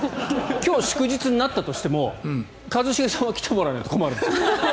今日祝日になったとしても一茂さんは来てもらわないと困るんです。